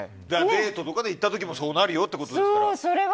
デートとかで行った時もそうなるということですから。